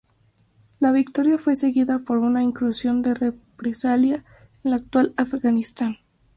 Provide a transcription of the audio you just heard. La victoria fue seguida por una incursión de represalia en el actual Afganistán.